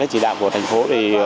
chỉ đạo của thành phố